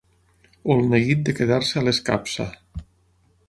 O el neguit de quedar-se a l'escapça.